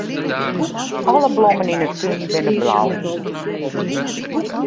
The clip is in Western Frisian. Alle blommen yn 'e tún binne blau.